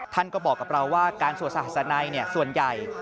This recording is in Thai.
ท่านก็บอกกับเราว่าการสวดสหัสนัยส่วนใหญ่